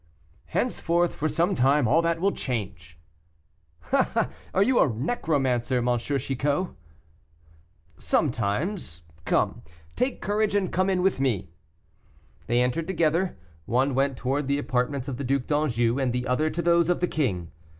"Henceforth, for some time, all that will change." "Ah, ah! are you a necromancer, M. Chicot?" "Sometimes; come, take courage, and come in with me." They entered together; one went towards the apartments of the Duc d'Anjou, and the other to those of the king.